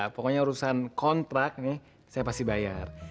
pokoknya urusan kontrak nih saya pasti bayar